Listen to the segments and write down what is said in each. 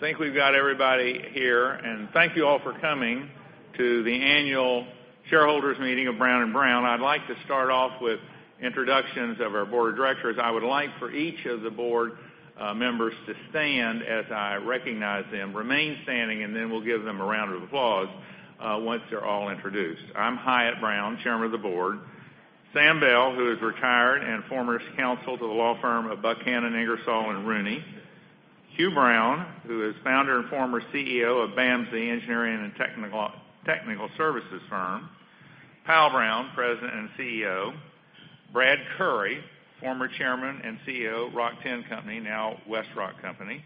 I think we've got everybody here, thank you all for coming to the annual shareholders meeting of Brown & Brown. I'd like to start off with introductions of our board of directors. I would like for each of the board members to stand as I recognize them, remain standing, then we'll give them a round of applause once they're all introduced. I'm Hyatt Brown, chairman of the board. Sam Bell, who is retired and former counsel to the law firm of Buchanan Ingersoll & Rooney. Hugh Brown, who is founder and former CEO of BAMSI Engineering and Technical Services firm. Powell Brown, president and CEO. Brad Currey, former chairman and CEO, Rock-Tenn Company, now WestRock company.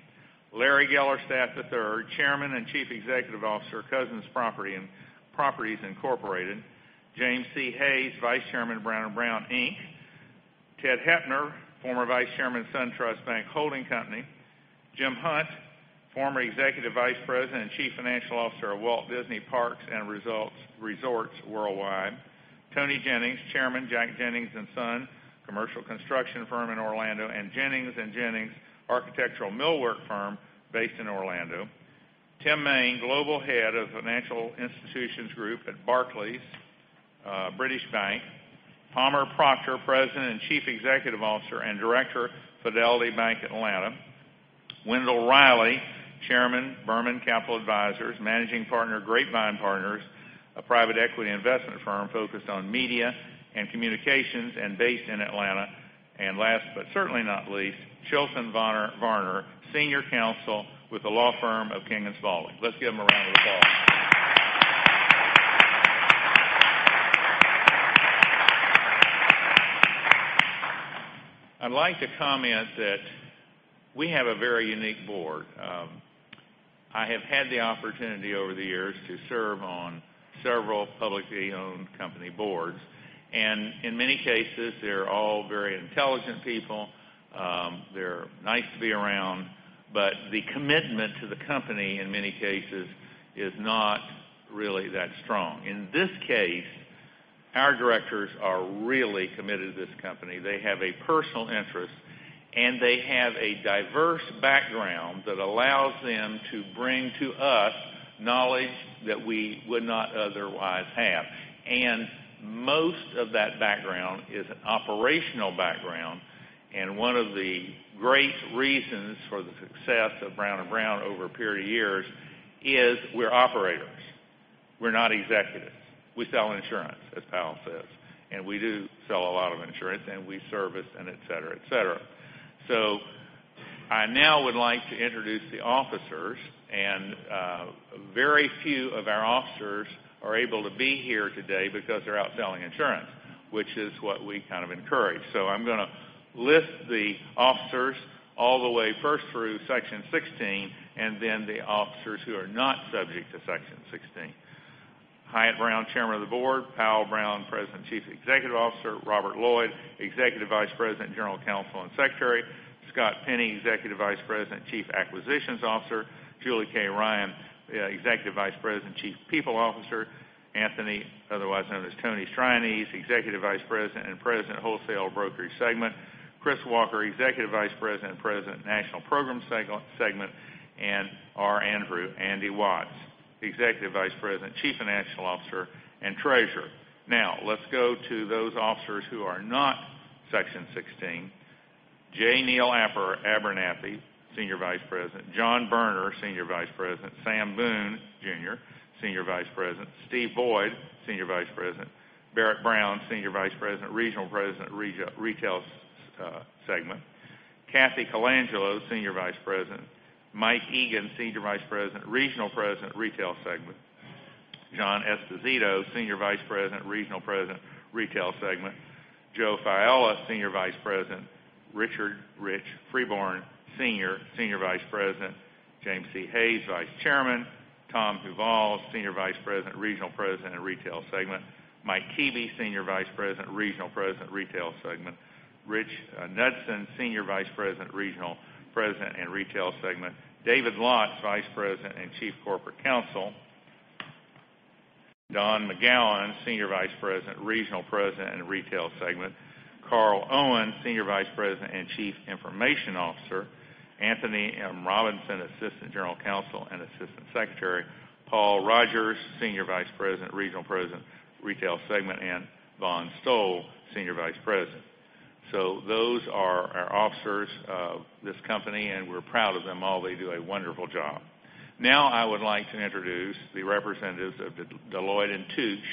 Larry Gellerstedt III, chairman and chief executive officer, Cousins Properties Incorporated. James C. Hayes, vice chairman, Brown & Brown, Inc. Ted Hepner, former vice chairman, SunTrust Bank Holding Company. Jim Hunt, former executive vice president and chief financial officer of Walt Disney Parks and Resorts Worldwide. Toni Jennings, chairman, Jack Jennings & Sons, commercial construction firm in Orlando, and Jennings & Jennings architectural millwork firm based in Orlando. Tim Main, global head of Financial Institutions Group at Barclays British Bank. Palmer Proctor, president and chief executive officer and director, Fidelity Bank Atlanta. Wendell Reilly, chairman, Berman Capital Advisors, managing partner, Grapevine Partners, a private equity investment firm focused on media and communications and based in Atlanta. Last but certainly not least, Chilton Varner, senior counsel with the law firm of King & Spalding. Let's give them a round of applause. I'd like to comment that we have a very unique board. I have had the opportunity over the years to serve on several publicly owned company boards, in many cases, they're all very intelligent people. They're nice to be around, but the commitment to the company, in many cases, is not really that strong. In this case, our directors are really committed to this company. They have a personal interest, they have a diverse background that allows them to bring to us knowledge that we would not otherwise have. Most of that background is an operational background. One of the great reasons for the success of Brown & Brown over a period of years is we're operators. We're not executives. We sell insurance, as Powell says, we do sell a lot of insurance, and we service and et cetera. I now would like to introduce the officers, very few of our officers are able to be here today because they're out selling insurance, which is what we encourage. I'm going to list the officers all the way first through Section 16, then the officers who are not subject to Section 16. Hyatt Brown, chairman of the board, Powell Brown, president and chief executive officer, Robert Lloyd, executive vice president, general counsel, and secretary, Scott Penny, executive vice president, chief acquisitions officer, Julie K. Ryan, executive vice president, chief people officer, Anthony, otherwise known as Tony Strianese, executive vice president and president, Wholesale Brokerage segment, Chris Walker, executive vice president, National Programs segment, R. Andrew, Andy Watts, executive vice president, chief financial officer, and treasurer. Let's go to those officers who are not Section 16. J. Neal Abernathy, Senior Vice President, John Berner, Senior Vice President, Sam Boone Jr., Senior Vice President, Steve Boyd, Senior Vice President, Barrett Brown, Senior Vice President, Regional President, Retail segment, Cathy Colangelo, Senior Vice President, Mike Egan, Senior Vice President, Regional President, Retail segment, John Esposito, Senior Vice President, Regional President, Retail segment, Joe Faiella, Senior Vice President, Rich Freeborn Sr., Senior Vice President, James C. Hayes, Vice Chairman, Tom Huval, Senior Vice President, Regional President in the Retail segment, Mike Keeby, Senior Vice President, Regional President, Retail segment, Rich Knudson, Senior Vice President, Regional President in the Retail segment, David Lotz, Vice President and Chief Corporate Counsel, Don McGowan, Senior Vice President, Regional President in the Retail segment, Carl Owen, Senior Vice President and Chief Information Officer, Anthony M. Robinson, Assistant General Counsel and Assistant Secretary, Paul Rogers, Senior Vice President, Regional President, Retail segment, and Vaughn Stoll, Senior Vice President. Those are our officers of this company, and we're proud of them all. They do a wonderful job. I would like to introduce the representatives of Deloitte & Touche.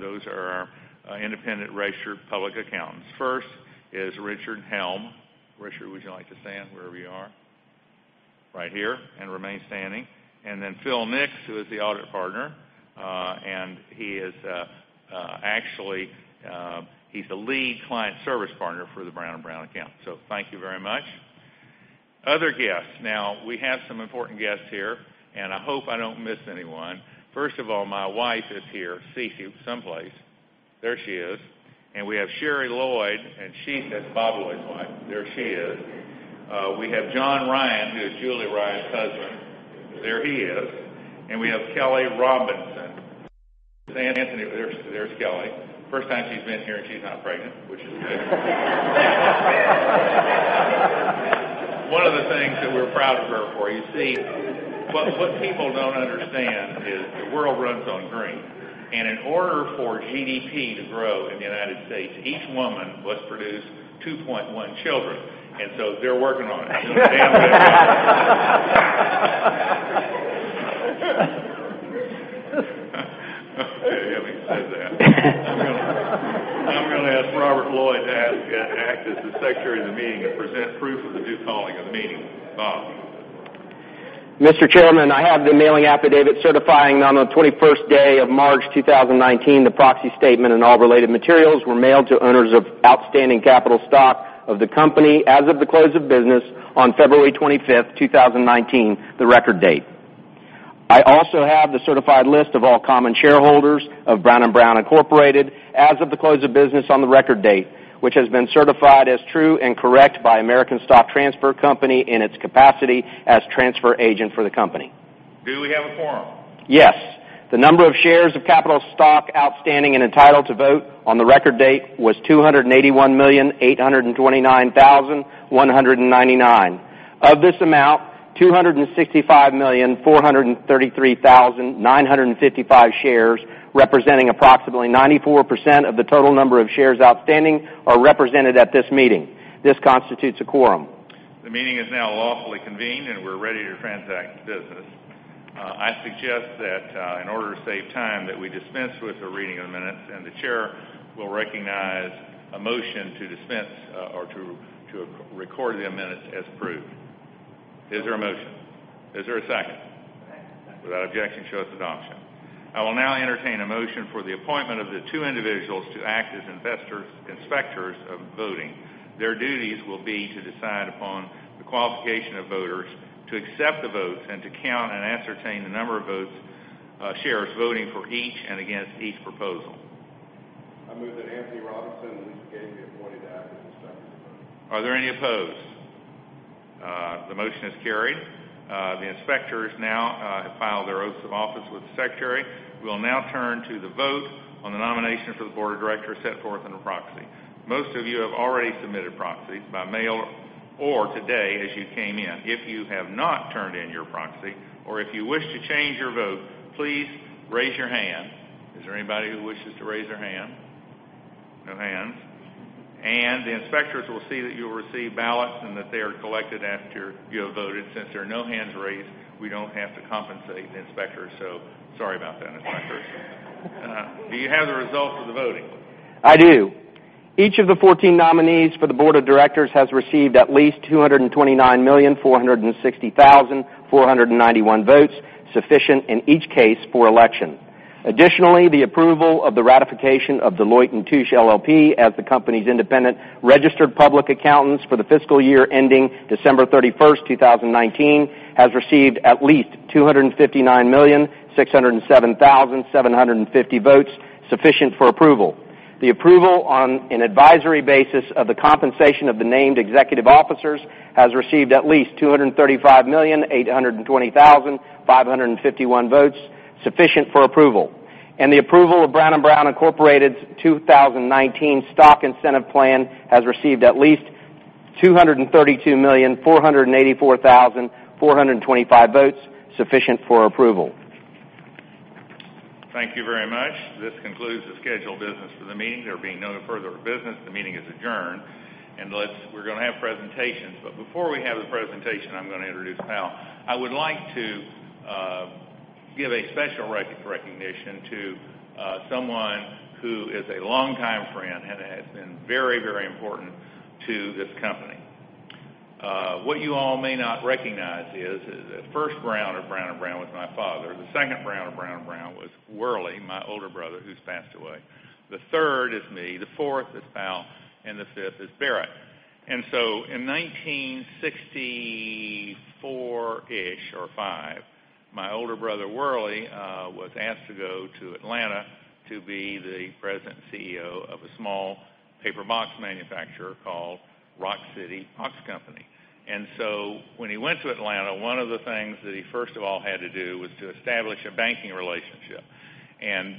Those are our independent registered public accountants. First is Richard Helm. Richard, would you like to stand wherever you are? Right here, and remain standing. Then Phil Nix, who is the Audit Partner. He's the Lead Client Service Partner for the Brown & Brown account. Thank you very much. Other guests. We have some important guests here, and I hope I don't miss anyone. First of all, my wife is here, Ceci, someplace. There she is. We have Sherry Lloyd, and she is Bob Lloyd's wife. There she is. We have John Ryan, who is Julie Ryan's husband. There he is. We have Kelly Robinson. There's Anthony. There's Kelly. First time she's been here, and she's not pregnant, which is good. One of the things that we're proud of her for. You see, what people don't understand is the world runs on green. In order for GDP to grow in the United States, each woman must produce 2.1 children. They're working on it. Having said that, I'm going to ask Robert Lloyd to act as the Secretary of the Meeting and present proof of the due calling of the meeting. Bob. Mr. Chairman, I have the mailing affidavit certifying on the 21st day of March 2019, the proxy statement and all related materials were mailed to owners of outstanding capital stock of the company as of the close of business on February 25th, 2019, the record date. I also have the certified list of all common shareholders of Brown & Brown Incorporated as of the close of business on the record date, which has been certified as true and correct by American Stock Transfer Company in its capacity as Transfer Agent for the company. Do we have a quorum? Yes. The number of shares of capital stock outstanding and entitled to vote on the record date was 281,829,199. Of this amount, 265,433,955 shares, representing approximately 94% of the total number of shares outstanding, are represented at this meeting. This constitutes a quorum. The meeting is now lawfully convened, and we're ready to transact business. I suggest that, in order to save time, that we dispense with the reading of the minutes, and the chair will recognize a motion to dispense or to record the minutes as approved. Is there a motion? Is there a second? Second. Without objection, show its adoption. I will now entertain a motion for the appointment of the two individuals to act as inspectors of voting. Their duties will be to decide upon the qualification of voters, to accept the votes, and to count and ascertain the number of votes, shares voting for each and against each proposal. I move that Anthony Robinson and Lisa Gaine be appointed to act as inspectors of voting. Are there any opposed? The motion is carried. The inspectors now have filed their oaths of office with the secretary. We will now turn to the vote on the nomination for the board of directors set forth in the proxy. Most of you have already submitted proxies by mail or today as you came in. If you have not turned in your proxy, or if you wish to change your vote, please raise your hand. Is there anybody who wishes to raise their hand? No hands. The inspectors will see that you'll receive ballots and that they are collected after you have voted. Since there are no hands raised, we don't have to compensate the inspectors, sorry about that, inspectors. Do you have the result of the voting? I do. Each of the 14 nominees for the board of directors has received at least 229,460,491 votes, sufficient in each case for election. Additionally, the approval of the ratification of Deloitte & Touche LLP as the company's independent registered public accountants for the fiscal year ending December 31st, 2019, has received at least 259,607,750 votes, sufficient for approval. The approval on an advisory basis of the compensation of the named executive officers has received at least 235,820,551 votes, sufficient for approval. The approval of Brown & Brown Incorporated's 2019 Stock Incentive Plan has received at least 232,484,425 votes, sufficient for approval. Thank you very much. This concludes the scheduled business of the meeting. There being no further business, the meeting is adjourned. We're going to have presentations, before we have the presentation, I'm going to introduce Powell. I would like to give a special recognition to someone who is a longtime friend and has been very important to this company. What you all may not recognize is the first Brown of Brown & Brown was my father. The second Brown of Brown & Brown was Worley, my older brother, who's passed away. The third is me, the fourth is Powell, and the fifth is Barrett. In 1964-ish or '65, my older brother, Worley, was asked to go to Atlanta to be the president and CEO of a small paper box manufacturer called Rock City Box Company. When he went to Atlanta, one of the things that he first of all had to do was to establish a banking relationship.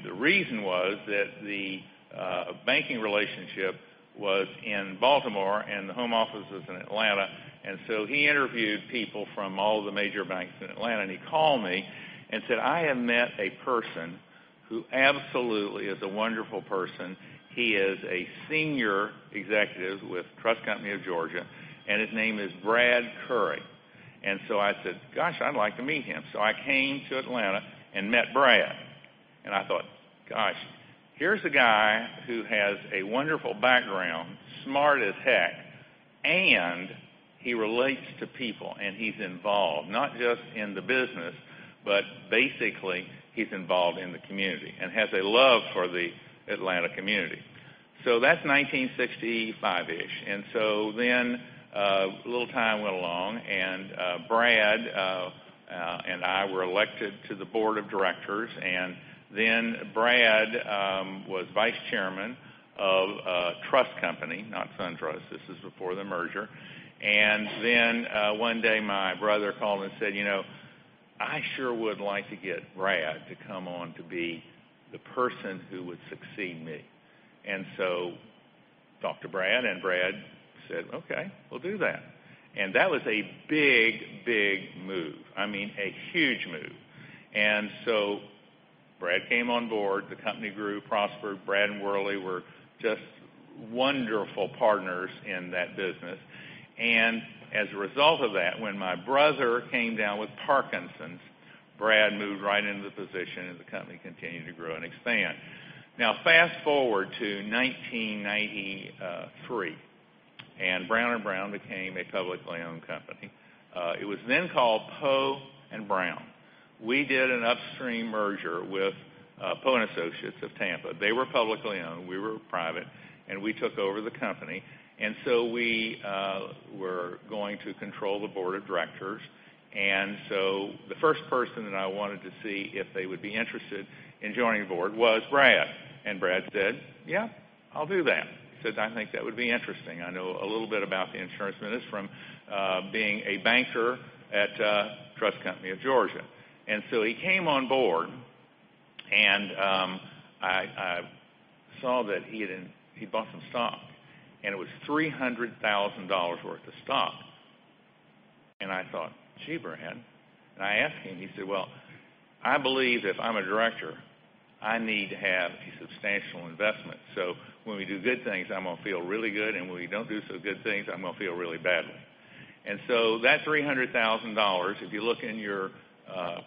The reason was that the banking relationship was in Baltimore and the home office was in Atlanta. He interviewed people from all the major banks in Atlanta, and he called me and said, "I have met a person who absolutely is a wonderful person. He is a senior executive with Trust Company of Georgia, and his name is Brad Currey." I said, "Gosh, I'd like to meet him." I came to Atlanta and met Brad, and I thought, "Gosh, here's a guy who has a wonderful background, smart as heck, and he relates to people, and he's involved, not just in the business, but basically he's involved in the community and has a love for the Atlanta community." That's 1965-ish. Then a little time went along, and Brad and I were elected to the board of directors. Brad was vice chairman of Trust Company, not SunTrust. This is before the merger. One day, my brother called and said, "You know, I sure would like to get Brad to come on to be the person who would succeed me." Talked to Brad, and Brad said, "Okay, we'll do that." That was a big, big move. I mean, a huge move. Brad came on board. The company grew, prospered. Brad and Worley were just wonderful partners in that business. As a result of that, when my brother came down with Parkinson's, Brad moved right into the position, and the company continued to grow and expand. Fast-forward to 1993, Brown & Brown became a publicly owned company. It was then called Poe & Brown. We did an upstream merger with Poe & Associates of Tampa. They were publicly owned, we were private, and we took over the company. We were going to control the board of directors. The first person that I wanted to see if they would be interested in joining the board was Brad. Brad said, "Yeah, I'll do that." He said, "I think that would be interesting. I know a little bit about the insurance business from being a banker at Trust Company of Georgia." He came on board, and I saw that he bought some stock, and it was $300,000 worth of stock. I thought, "Gee, Brad." I asked him. He said, "Well, I believe if I'm a director, I need to have a substantial investment. When we do good things, I'm going to feel really good, and when we don't do so good things, I'm going to feel really badly. That $300,000, if you look in your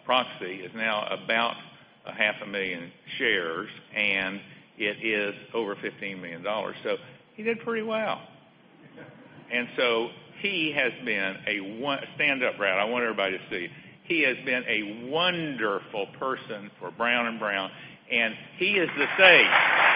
proxy, is now about a half a million shares, and it is over $15 million. He did pretty well. He has been a wonderful person for Brown & Brown, and he is the sage.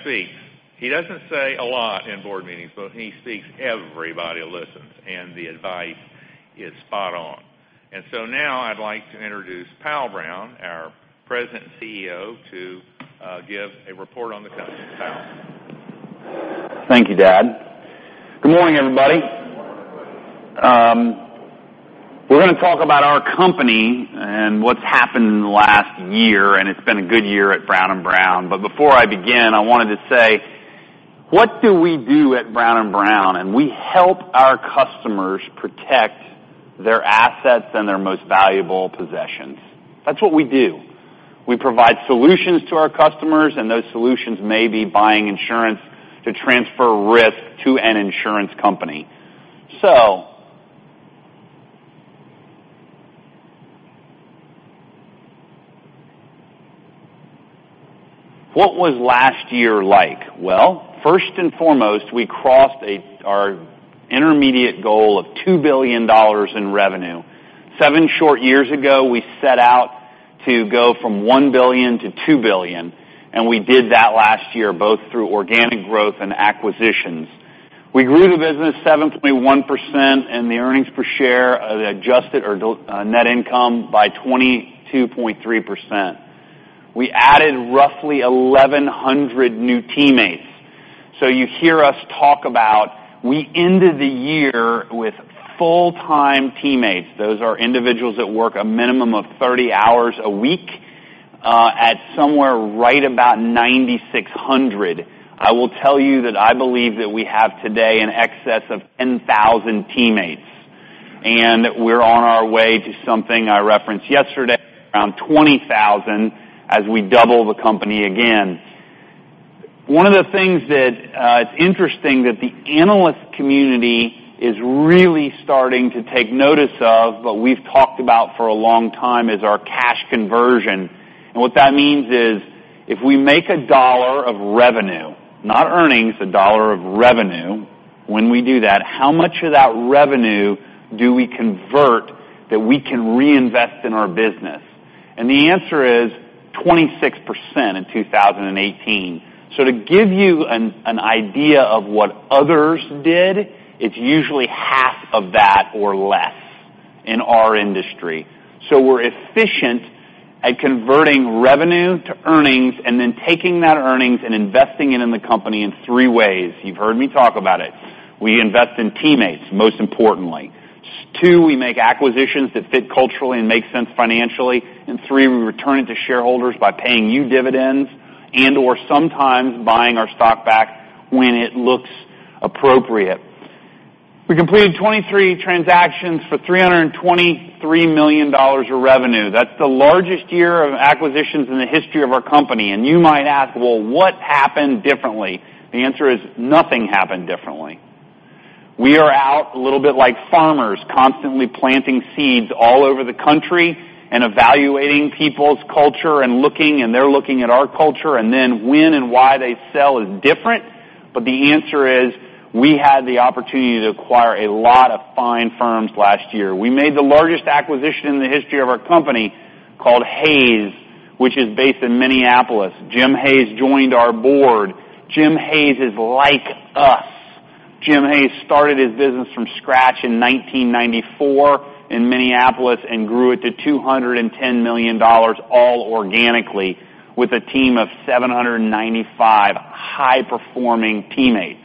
Worley Brown was the best friend a fella could ever have, and I found his sock. I'm awfully proud of what this company's done. I've watched it all these years. I've had a part in it, in its governance, and now I'm succeeding to have a further role, and I'm sure it is fun to see how it goes. I love making money for this company. Thanks, Brad. When Brad speaks, he doesn't say a lot in board meetings, but when he speaks, everybody listens, and the advice is spot on. Now I'd like to introduce Powell Brown, our President and CEO, to give a report on the company. Powell. Thank you, Dad. Good morning, everybody. Good morning. We're going to talk about our company and what's happened in the last year, and it's been a good year at Brown & Brown. Before I begin, I wanted to say: What do we do at Brown & Brown? We help our customers protect their assets and their most valuable possessions. That's what we do. We provide solutions to our customers, and those solutions may be buying insurance to transfer risk to an insurance company. What was last year like? First and foremost, we crossed our intermediate goal of $2 billion in revenue. Seven short years ago, we set out to go from one billion to two billion, and we did that last year, both through organic growth and acquisitions. We grew the business 7.1%, and the earnings per share adjusted our net income by 22.3%. We added roughly 1,100 new teammates. You hear us talk about we ended the year with full-time teammates, those are individuals that work a minimum of 30 hours a week, at somewhere right about 9,600. I will tell you that I believe that we have today in excess of 10,000 teammates. We're on our way to something I referenced yesterday, around 20,000, as we double the company again. One of the things that's interesting that the analyst community is really starting to take notice of, but we've talked about for a long time, is our cash conversion. What that means is if we make a dollar of revenue, not earnings, a dollar of revenue, when we do that, how much of that revenue do we convert that we can reinvest in our business? The answer is 26% in 2018. To give you an idea of what others did, it's usually half of that or less in our industry. We're efficient at converting revenue to earnings and then taking that earnings and investing it in the company in three ways. You've heard me talk about it. We invest in teammates, most importantly. 2, we make acquisitions that fit culturally and make sense financially. 3, we return it to shareholders by paying you dividends and/or sometimes buying our stock back when it looks appropriate. We completed 23 transactions for $323 million of revenue. That's the largest year of acquisitions in the history of our company. You might ask, "Well, what happened differently?" The answer is nothing happened differently. We are out a little bit like farmers, constantly planting seeds all over the country and evaluating people's culture, and looking, and they're looking at our culture. Then when and why they sell is different. The answer is, we had the opportunity to acquire a lot of fine firms last year. We made the largest acquisition in the history of our company called Hays, which is based in Minneapolis. Jim Hays joined our board. Jim Hays is like us. Jim Hays started his business from scratch in 1994 in Minneapolis and grew it to $210 million all organically with a team of 795 high-performing teammates.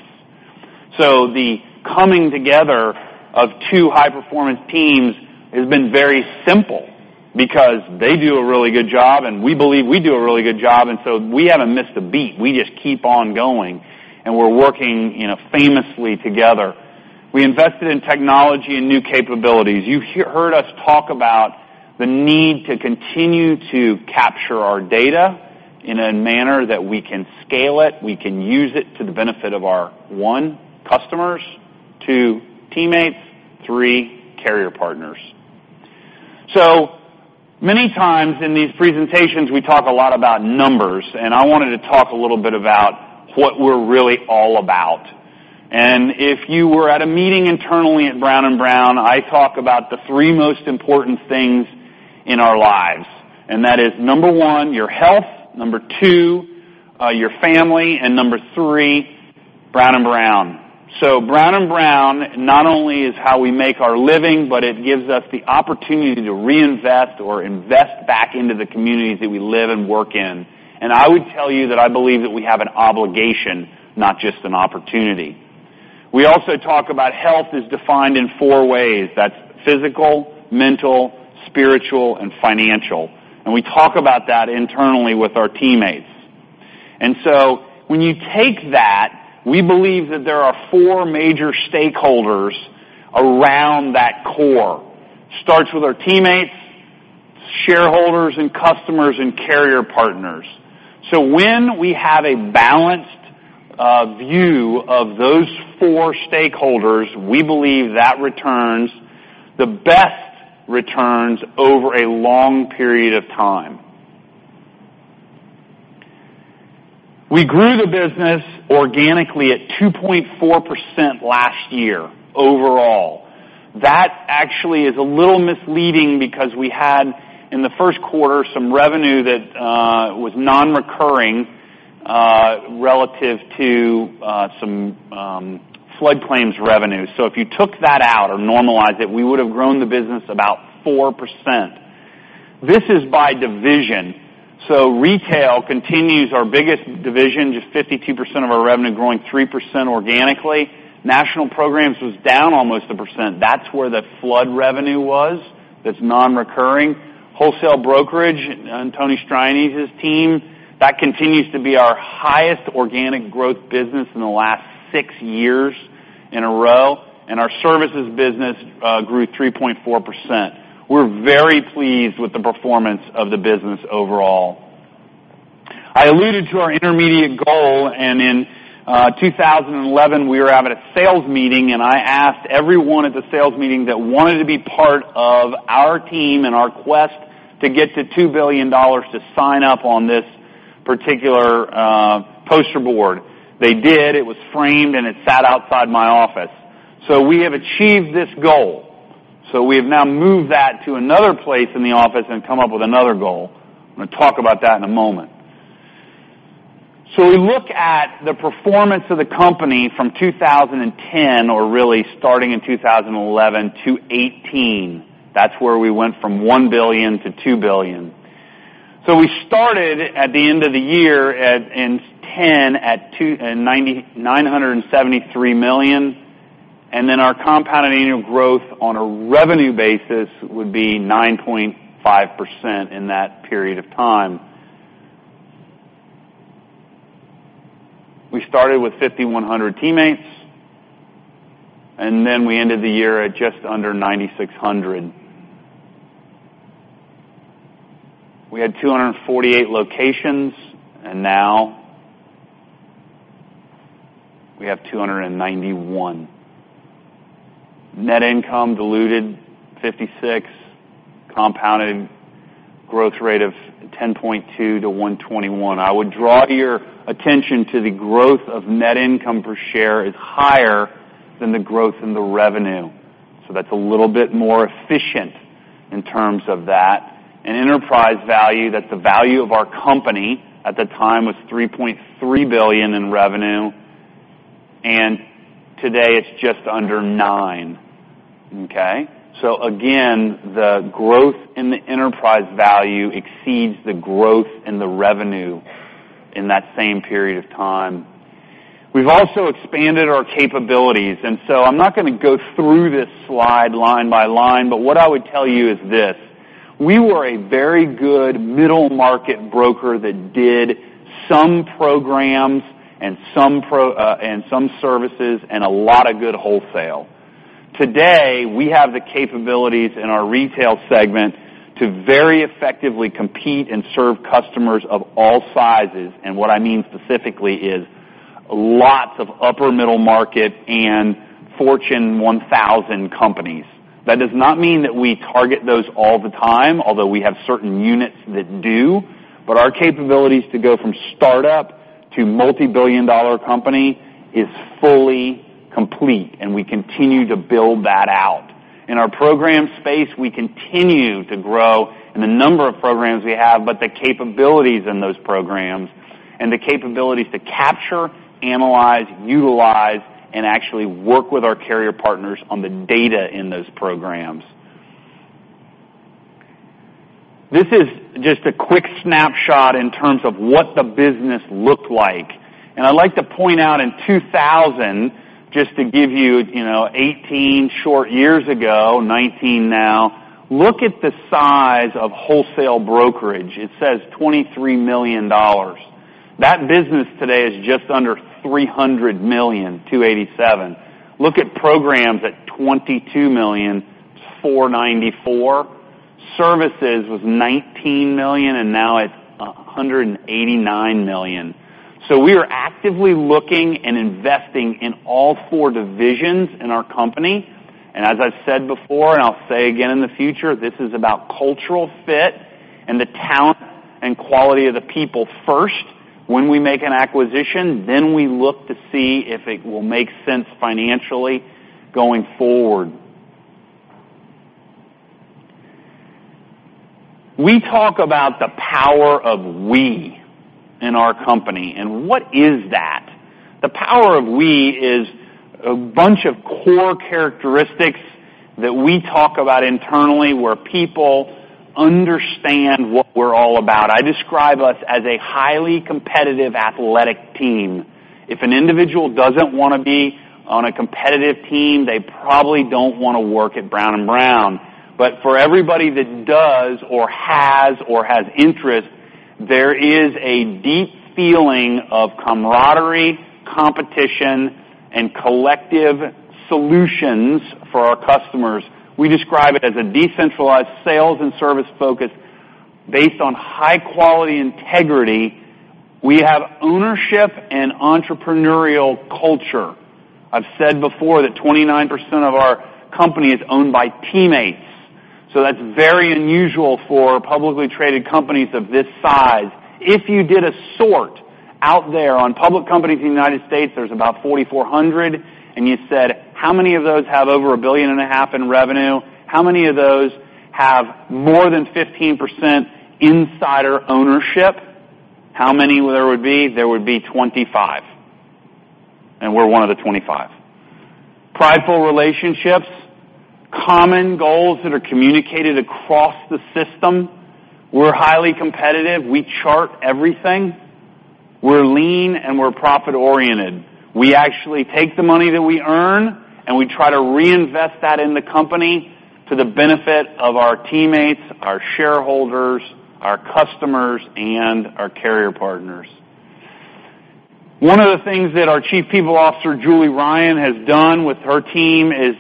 The coming together of two high-performance teams has been very simple because they do a really good job, and we believe we do a really good job, we haven't missed a beat. We just keep on going, and we're working famously together. We invested in technology and new capabilities. You heard us talk about the need to continue to capture our data in a manner that we can scale it, we can use it to the benefit of our, 1, customers, 2, teammates, 3, carrier partners. Many times in these presentations, we talk a lot about numbers, I wanted to talk a little bit about what we're really all about. If you were at a meeting internally at Brown & Brown, I talk about the three most important things in our lives. That is, number 1, your health, number 2, your family, and number 3, Brown & Brown. Brown & Brown not only is how we make our living, but it gives us the opportunity to reinvest or invest back into the communities that we live and work in. I would tell you that I believe that we have an obligation, not just an opportunity. We also talk about health as defined in four ways. That's physical, mental, spiritual, and financial. We talk about that internally with our teammates. When you take that, we believe that there are four major stakeholders around that core. Starts with our teammates, shareholders and customers, and carrier partners. When we have a balanced view of those four stakeholders, we believe that returns the best returns over a long period of time. We grew the business organically at 2.4% last year overall. That actually is a little misleading because we had, in the first quarter, some revenue that was non-recurring, relative to some flood claims revenue. If you took that out or normalized it, we would've grown the business about 4%. This is by division. Retail continues our biggest division, just 52% of our revenue growing 3% organically. National Programs was down almost a percent. That's where the flood revenue was, that's non-recurring. Wholesale Brokerage and Tony Strianese's team, that continues to be our highest organic growth business in the last six years in a row. Our services business grew 3.4%. We're very pleased with the performance of the business overall. I alluded to our intermediate goal. In 2011, we were having a sales meeting, and I asked everyone at the sales meeting that wanted to be part of our team and our quest to get to $2 billion to sign up on this particular poster board. They did. It was framed, and it sat outside my office. We have achieved this goal. We have now moved that to another place in the office and come up with another goal. I'm going to talk about that in a moment. We look at the performance of the company from 2010, or really starting in 2011, to 2018. That's where we went from $1 billion to $2 billion. We started at the end of the year in 2010 at $973 million, our compounded annual growth on a revenue basis would be 9.5% in that period of time. We started with 5,100 teammates. We ended the year at just under 9,600. We had 248 locations. Now we have 291. Net income diluted $56, compounded growth rate of 10.2% to $121. I would draw your attention to the growth of net income per share is higher than the growth in the revenue. That's a little bit more efficient in terms of that. Enterprise value, that's the value of our company at the time, was $3.3 billion in revenue, and today, it's just under $9 billion. Again, the growth in the enterprise value exceeds the growth in the revenue in that same period of time. We've also expanded our capabilities. I'm not going to go through this slide line by line, but what I would tell you is this. We were a very good middle-market broker that did some programs and some services, and a lot of good wholesale. Today, we have the capabilities in our Retail segment to very effectively compete and serve customers of all sizes. What I mean specifically is lots of upper middle-market and Fortune 1000 companies. That does not mean that we target those all the time, although we have certain units that do. Our capabilities to go from startup to multibillion-dollar company is fully complete, and we continue to build that out. In our program space, we continue to grow in the number of programs we have, but the capabilities in those programs and the capabilities to capture, analyze, utilize, and actually work with our carrier partners on the data in those programs. This is just a quick snapshot in terms of what the business looked like. I'd like to point out in 2000, just to give you 18 short years ago, 19 now, look at the size of Wholesale Brokerage. It says $23 million. That business today is just under $300 million, $287 million. Look at National Programs at $22 million, it's $494 million. Services was $19 million, and now it's $189 million. We are actively looking and investing in all four divisions in our company. As I've said before, and I'll say again in the future, this is about cultural fit and the talent and quality of the people first when we make an acquisition, then we look to see if it will make sense financially going forward. We talk about the power of we in our company. And what is that? The power of we is a bunch of core characteristics that we talk about internally where people understand what we're all about. I describe us as a highly competitive athletic team. If an individual doesn't want to be on a competitive team, they probably don't want to work at Brown & Brown. For everybody that does or has or has interest, there is a deep feeling of camaraderie, competition, and collective solutions for our customers. We describe it as a decentralized sales and service focus based on high-quality integrity. We have ownership and entrepreneurial culture. I've said before that 29% of our company is owned by teammates, that's very unusual for publicly traded companies of this size. If you did a sort out there on public companies in the United States, there's about 4,400, and you said, "How many of those have over a billion and a half in revenue? How many of those have more than 15% insider ownership? How many there would be?" There would be 25, and we're one of the 25. Prideful relationships, common goals that are communicated across the system. We're highly competitive. We chart everything. We're lean, and we're profit-oriented. We actually take the money that we earn, and we try to reinvest that in the company to the benefit of our teammates, our shareholders, our customers, and our carrier partners. One of the things that our Chief People Officer, Julie Ryan, has done with her team is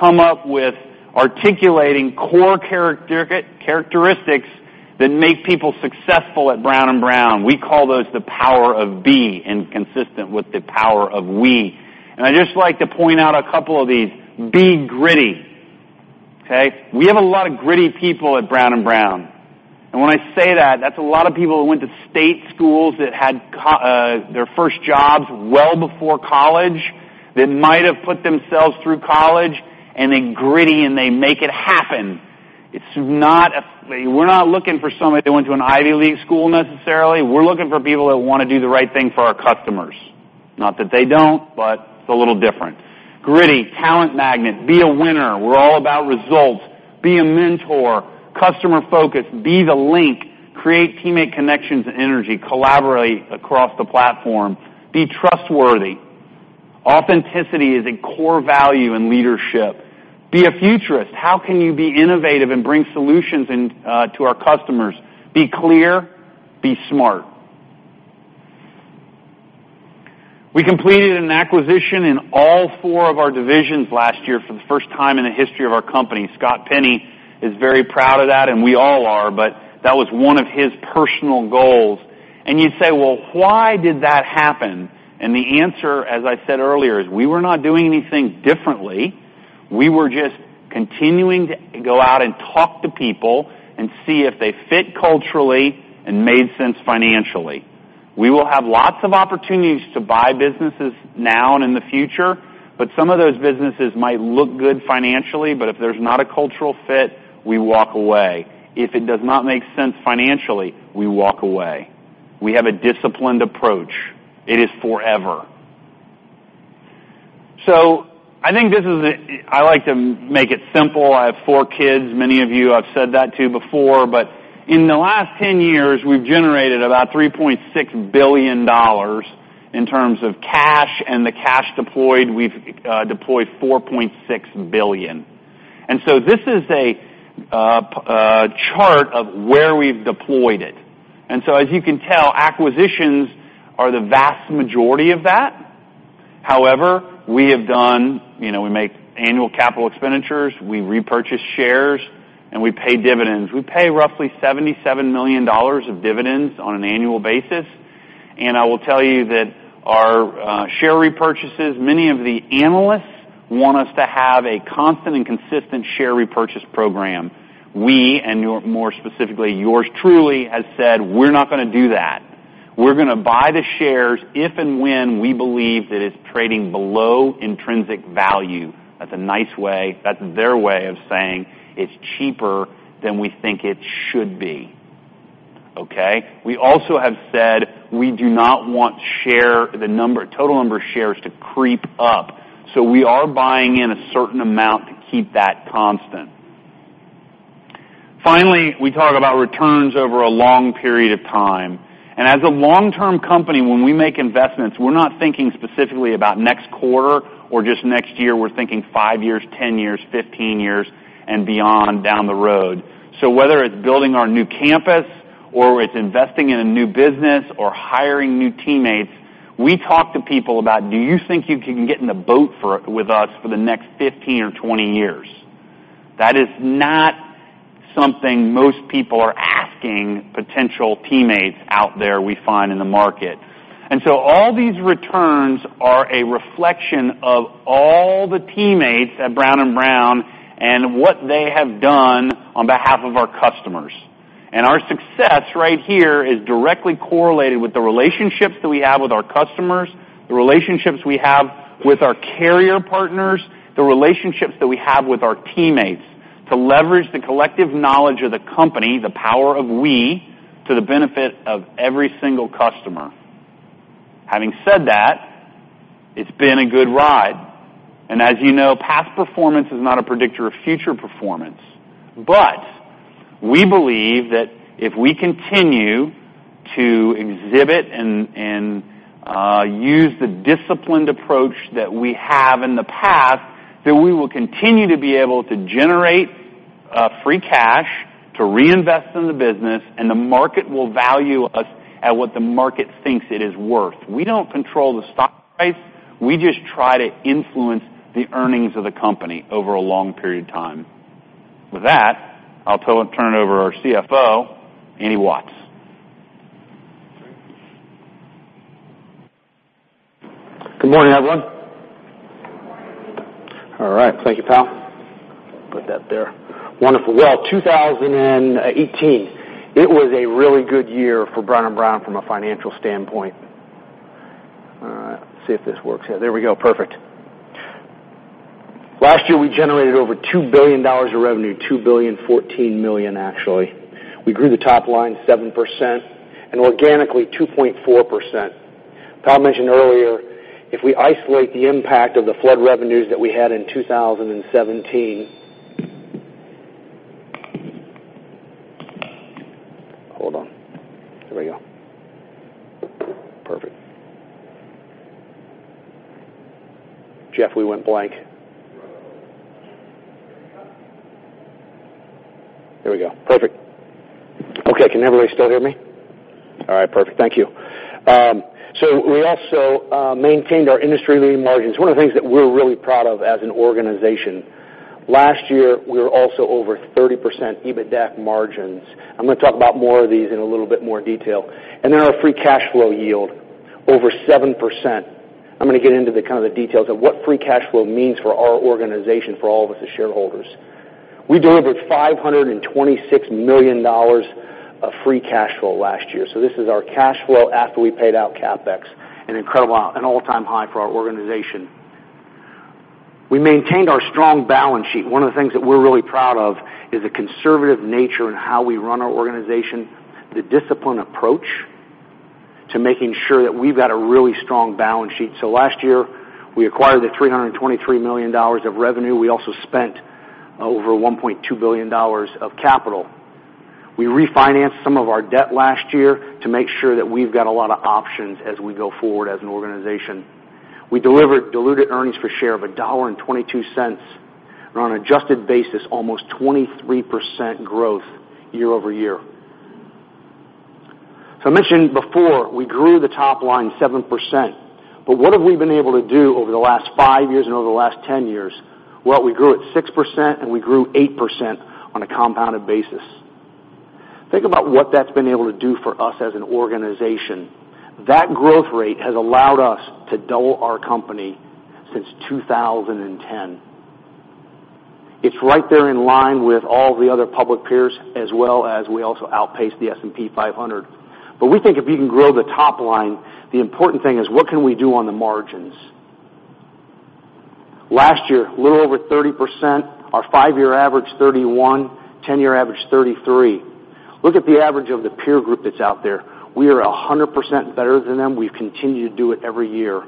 come up with articulating core characteristics that make people successful at Brown & Brown. We call those the power of be, consistent with the power of we. I'd just like to point out a couple of these. Be gritty, okay? We have a lot of gritty people at Brown & Brown. When I say that's a lot of people who went to state schools, that had their first jobs well before college, that might have put themselves through college, and they're gritty, and they make it happen. We're not looking for somebody that went to an Ivy League school necessarily. We're looking for people that want to do the right thing for our customers. Not that they don't, but it's a little different. Gritty, talent magnet, be a winner. We're all about results. Be a mentor, customer-focused, be the link. Create teammate connections and energy. Collaborate across the platform. Be trustworthy. Authenticity is a core value in leadership. Be a futurist. How can you be innovative and bring solutions to our customers? Be clear, be smart. We completed an acquisition in all four of our divisions last year for the first time in the history of our company. Scott Penny is very proud of that, and we all are, but that was one of his personal goals. You'd say, "Well, why did that happen?" The answer, as I said earlier, is we were not doing anything differently. We were just continuing to go out and talk to people and see if they fit culturally and made sense financially. We will have lots of opportunities to buy businesses now and in the future, but some of those businesses might look good financially, but if there's not a cultural fit, we walk away. If it does not make sense financially, we walk away. We have a disciplined approach. It is forever. I think I like to make it simple. I have four kids, many of you I've said that to before, but in the last 10 years, we've generated about $3.6 billion in terms of cash and the cash deployed. We've deployed $4.6 billion. This is a chart of where we've deployed it. As you can tell, acquisitions are the vast majority of that. However, we make annual capital expenditures, we repurchase shares, and we pay dividends. We pay roughly $77 million of dividends on an annual basis. I will tell you that our share repurchases, many of the analysts want us to have a constant and consistent share repurchase program. We, and more specifically, yours truly, has said we're not going to do that. We're going to buy the shares if and when we believe that it's trading below intrinsic value. That's a nice way, that's their way of saying it's cheaper than we think it should be. Okay? We also have said we do not want the total number of shares to creep up. We are buying in a certain amount to keep that constant. Finally, we talk about returns over a long period of time. As a long-term company, when we make investments, we're not thinking specifically about next quarter or just next year. We're thinking 5 years, 10 years, 15 years, and beyond down the road. Whether it's building our new campus or it's investing in a new business or hiring new teammates, we talk to people about, "Do you think you can get in the boat with us for the next 15 or 20 years?" That is not something most people are asking potential teammates out there we find in the market. All these returns are a reflection of all the teammates at Brown & Brown and what they have done on behalf of our customers. Our success right here is directly correlated with the relationships that we have with our customers, the relationships we have with our carrier partners, the relationships that we have with our teammates to leverage the collective knowledge of the company, the power of we, to the benefit of every single customer. Having said that, it's been a good ride. As you know, past performance is not a predictor of future performance. We believe that if we continue to exhibit and use the disciplined approach that we have in the past, that we will continue to be able to generate free cash to reinvest in the business, and the market will value us at what the market thinks it is worth. We don't control the stock price, we just try to influence the earnings of the company over a long period of time. With that, I'll turn it over to our CFO, Andy Watts. Good morning, everyone. Good morning. All right. Thank you, Powell. Put that there. Wonderful. Well, 2018. It was a really good year for Brown & Brown from a financial standpoint. See if this works. Yeah, there we go. Perfect. Last year, we generated over $2 billion of revenue, $2 billion 14 million, actually. We grew the top line 7%, and organically 2.4%. Powell mentioned earlier, if we isolate the impact of the flood revenues that we had in 2017. Hold on. There we go. Perfect. Jeff, we went blank. We're up. There we go. Perfect. Okay. Can everybody still hear me? All right, perfect. Thank you. We also maintained our industry-leading margins. One of the things that we're really proud of as an organization. Last year, we were also over 30% EBITDA margins. I'm going to talk about more of these in a little bit more detail. Our free cash flow yield, over 7%. I'm going to get into the kind of the details of what free cash flow means for our organization, for all of us as shareholders. We delivered $526 million of free cash flow last year. This is our cash flow after we paid out CapEx, an incredible, an all-time high for our organization. We maintained our strong balance sheet. One of the things that we're really proud of is the conservative nature in how we run our organization, the disciplined approach to making sure that we've got a really strong balance sheet. Last year, we acquired the $323 million of revenue. We also spent over $1.2 billion of capital. We refinanced some of our debt last year to make sure that we've got a lot of options as we go forward as an organization. We delivered diluted earnings per share of $1.22. On an adjusted basis, almost 23% growth year-over-year. I mentioned before, we grew the top line 7%, but what have we been able to do over the last five years and over the last 10 years? Well, we grew at 6% and we grew 8% on a compounded basis. Think about what that's been able to do for us as an organization. That growth rate has allowed us to double our company since 2010. It's right there in line with all the other public peers, as well as we also outpaced the S&P 500. We think if you can grow the top line, the important thing is what can we do on the margins? Last year, a little over 30%, our five-year average, 31%, 10-year average, 33%. Look at the average of the peer group that's out there. We are 100% better than them. We've continued to do it every year.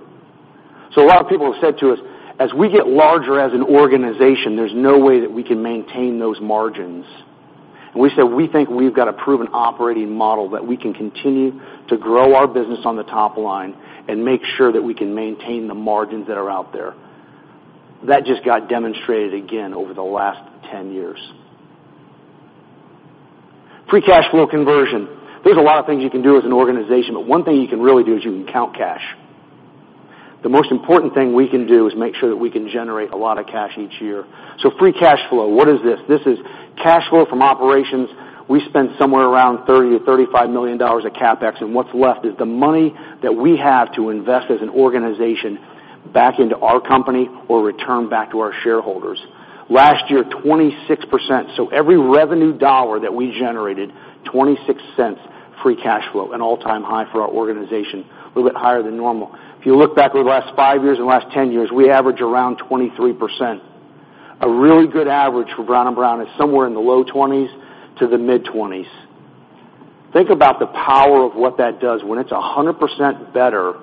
A lot of people have said to us, as we get larger as an organization, there's no way that we can maintain those margins. We say, we think we've got a proven operating model that we can continue to grow our business on the top line and make sure that we can maintain the margins that are out there. That just got demonstrated again over the last 10 years. Free cash flow conversion. There's a lot of things you can do as an organization, but one thing you can really do is you can count cash. The most important thing we can do is make sure that we can generate a lot of cash each year. Free cash flow, what is this? This is cash flow from operations. We spend somewhere around $30 million-$35 million of CapEx, and what's left is the money that we have to invest as an organization back into our company or return back to our shareholders. Last year, 26%. Every revenue dollar that we generated, $0.26 free cash flow, an all-time high for our organization, a little bit higher than normal. If you look back over the last five years and the last 10 years, we average around 23%. A really good average for Brown & Brown is somewhere in the low 20s to the mid-20s. Think about the power of what that does when it's 100% better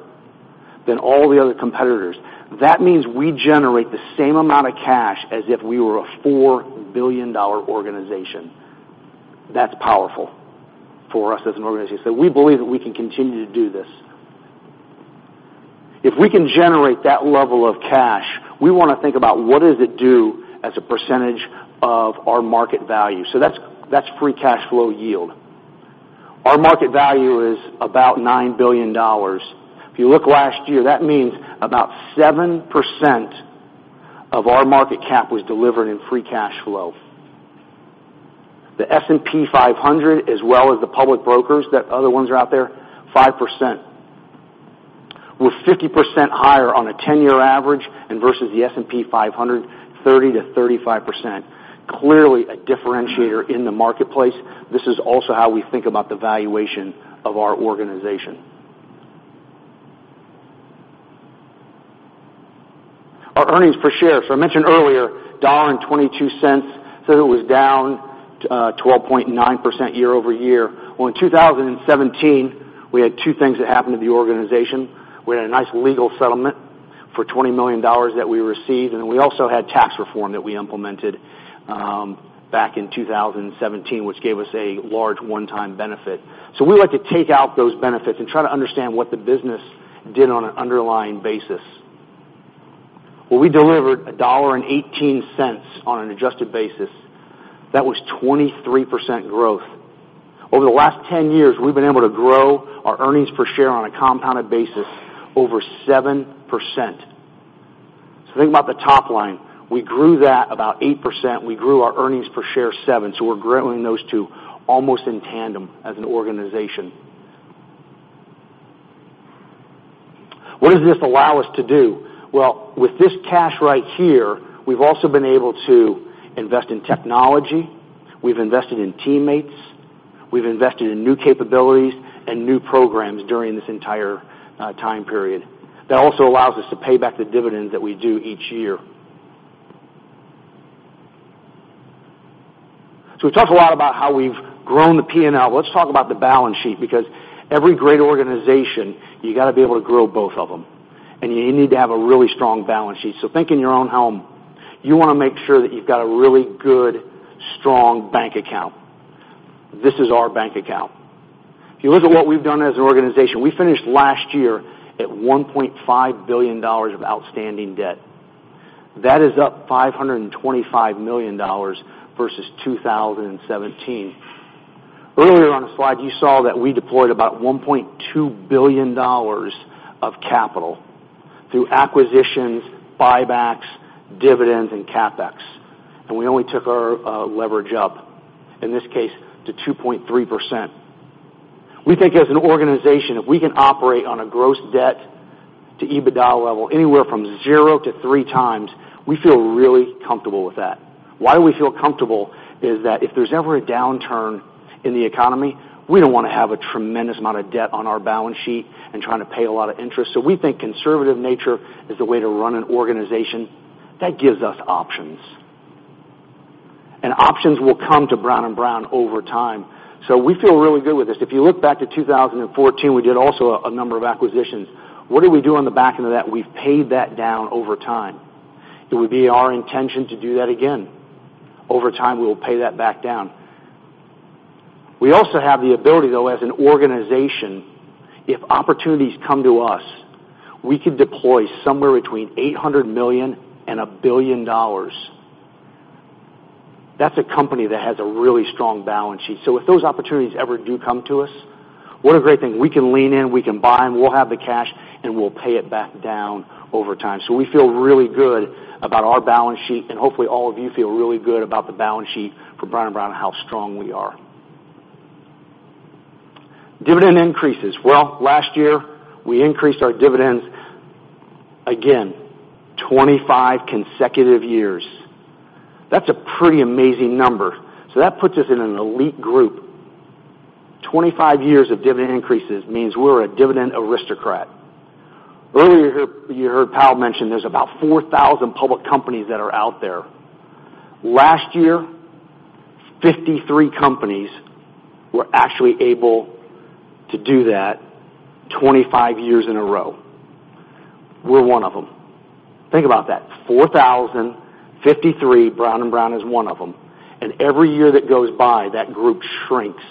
than all the other competitors. That means we generate the same amount of cash as if we were a $4 billion organization. That's powerful for us as an organization. We believe that we can continue to do this. If we can generate that level of cash, we want to think about what does it do as a percentage of our market value. That's free cash flow yield. Our market value is about $9 billion. If you look last year, that means about 7% of our market cap was delivered in free cash flow. The S&P 500, as well as the public brokers, the other ones are out there, 5%. We're 50% higher on a 10-year average and versus the S&P 500, 30%-35%. Clearly a differentiator in the marketplace. This is also how we think about the valuation of our organization. Our earnings per share. I mentioned earlier, $1.22. Said it was down 12.9% year-over-year. Well, in 2017, we had two things that happened to the organization. We had a nice legal settlement for $20 million that we received, and then we also had tax reform that we implemented back in 2017, which gave us a large one-time benefit. We like to take out those benefits and try to understand what the business did on an underlying basis. Well, we delivered $1.18 on an adjusted basis. That was 23% growth. Over the last 10 years, we've been able to grow our earnings per share on a compounded basis over 7%. Think about the top line. We grew that about 8%. We grew our earnings per share 7%. We're growing those two almost in tandem as an organization. What does this allow us to do? Well, with this cash right here, we've also been able to invest in technology. We've invested in teammates. We've invested in new capabilities and new programs during this entire time period. That also allows us to pay back the dividend that we do each year. We talked a lot about how we've grown the P&L. Let's talk about the balance sheet, because every great organization, you got to be able to grow both of them, and you need to have a really strong balance sheet. Think in your own home. You want to make sure that you've got a really good, strong bank account. This is our bank account. If you look at what we've done as an organization, we finished last year at $1.5 billion of outstanding debt. That is up $525 million versus 2017. Earlier on the slide, you saw that we deployed about $1.2 billion of capital through acquisitions, buybacks, dividends, and CapEx. We only took our leverage up, in this case, to 2.3%. We think as an organization, if we can operate on a gross debt to EBITDA level anywhere from 0-3x, we feel really comfortable with that. Why we feel comfortable is that if there's ever a downturn in the economy, we don't want to have a tremendous amount of debt on our balance sheet and trying to pay a lot of interest. We think conservative nature is the way to run an organization. That gives us options. Options will come to Brown & Brown over time. We feel really good with this. If you look back to 2014, we did also a number of acquisitions. What did we do on the back end of that? We've paid that down over time. It would be our intention to do that again. Over time, we will pay that back down. We also have the ability, though, as an organization, if opportunities come to us, we could deploy somewhere between $800 million and $1 billion. That's a company that has a really strong balance sheet. If those opportunities ever do come to us, what a great thing. We can lean in, we can buy, and we'll have the cash, and we'll pay it back down over time. We feel really good about our balance sheet, and hopefully all of you feel really good about the balance sheet for Brown & Brown and how strong we are. Dividend increases. Well, last year, we increased our dividends. Again, 25 consecutive years. That's a pretty amazing number. That puts us in an elite group. 25 years of dividend increases means we're a dividend aristocrat. Earlier you heard Powell mention there's about 4,000 public companies that are out there. Last year, 53 companies were actually able to do that 25 years in a row. We're one of them. Think about that, 4,000, 53, Brown & Brown is one of them. Every year that goes by, that group shrinks